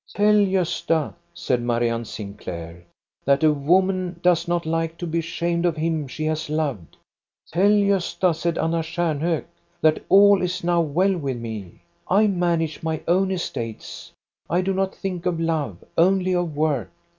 *Tell Gosta,' said Marianne Sinclair, ' that a woman does not like to be ashamed of him she has loved.' * Tell Gosta,' said Anna Stjarnhok, *that all is now well with me. I manage my own estates. I do not think of love, only of work.